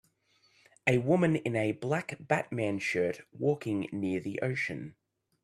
A woman in a black Batman shirt walking near the ocean.